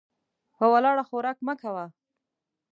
په ولاړه خوراک مه کوه .